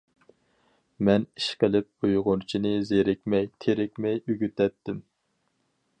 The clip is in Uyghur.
مەن ئىشقىلىپ ئۇيغۇرچىنى زېرىكمەي- تېرىكمەي ئۆگىتەتتىم.